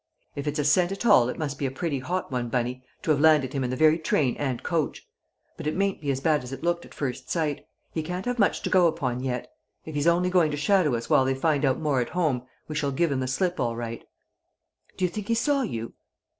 "If it's a scent at all it must be a pretty hot one, Bunny, to have landed him in the very train and coach! But it mayn't be as bad as it looked at first sight. He can't have much to go upon yet. If he's only going to shadow us while they find out more at home, we shall give him the slip all right." "Do you think he saw you?"